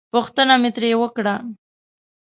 پوښتنه مې ترې وکړه.